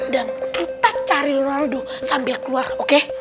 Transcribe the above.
dan kita cari ronaldo sambil keluar oke